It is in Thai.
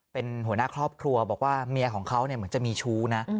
เป็นหัวหน้าครอบครัวบอกว่าเมียของเขาเหมือนจะมีชู้นะ